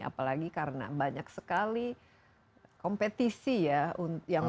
apalagi karena banyak sekali kompetisi ya yang mengambil perhatian kita